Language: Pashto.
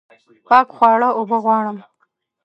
پاک خواړه اوبه غواړم